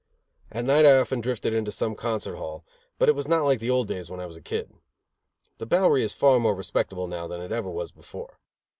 At night I often drifted into some concert hall, but it was not like the old days when I was a kid. The Bowery is far more respectable now than it ever was before.